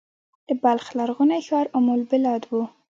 د بلخ لرغونی ښار ام البلاد و